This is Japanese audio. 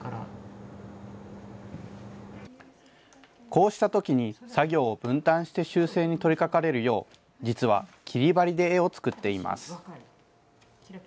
こうしたときに作業を分担して修正に取りかかれるよう、実は切り張りで絵を作っています。